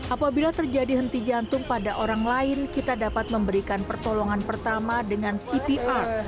apabila terjadi henti jantung pada orang lain kita dapat memberikan pertolongan pertama dengan cvr